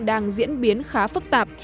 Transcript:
đang diễn biến khá phức tạp